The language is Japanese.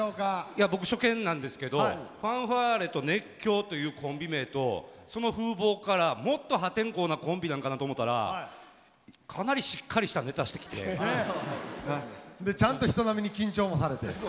いや僕初見なんですけどファンファーレと熱狂というコンビ名とその風貌からもっと破天荒なコンビなんかなと思たらかなりしっかりしたネタしてきて。でちゃんと人並みに緊張もされて。